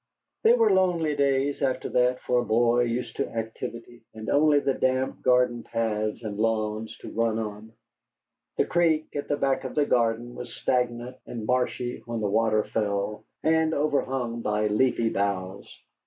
They were lonely days after that for a boy used to activity, and only the damp garden paths and lawns to run on. The creek at the back of the garden was stagnant and marshy when the water fell, and overhung by leafy boughs.